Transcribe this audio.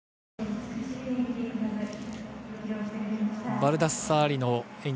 バルダッサーリの演技